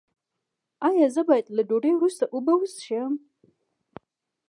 ایا زه باید له ډوډۍ وروسته اوبه وڅښم؟